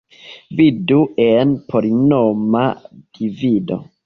Vidu en polinoma divido.